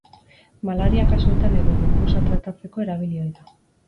Malaria kasuetan edo lupusa tratatzeko erabili ohi da.